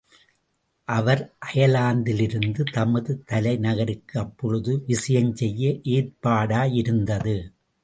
அவர் அயர்லாந்திலிருந்து தமது தலை நகருக்கு அப்பொழுது விஜயஞ்செய்ய ஏற்பாடாயிருந்தது.